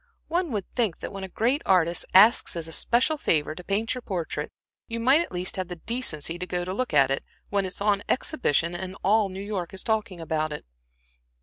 One would think that when a great artist asks as a special favor to paint your portrait, you might at least have the decency to go to look at it, when it is on exhibition, and all New York is talking about it."